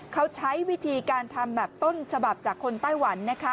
เขาใช้วิธีการทำแบบต้นฉบับจากคนไต้หวันนะคะ